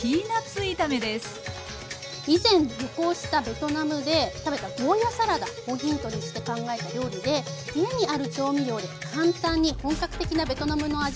以前旅行したベトナムで食べたゴーヤーサラダをヒントにして考えた料理で家にある調味料で簡単に本格的なベトナムの味が再現できます。